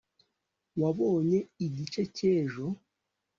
wabonye igice cy'ejo